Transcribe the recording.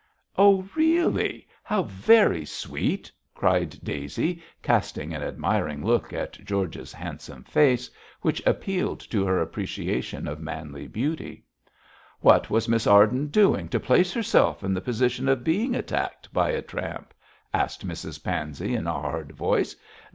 'Oh, really! how very sweet!' cried Daisy, casting an admiring look on George's handsome face, which appealed to her appreciation of manly beauty. 'What was Miss Arden doing to place herself in the position of being attacked by a tramp?' asked Mrs Pansey, in a hard voice.